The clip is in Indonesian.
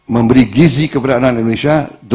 memberi gizi kepada anak anak indonesia